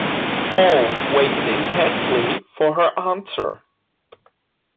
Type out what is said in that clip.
All waited intently for her answer.